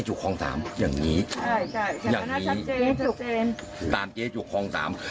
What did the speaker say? ใช่อย่างนี้ตามเจ๊จุกคลองตาม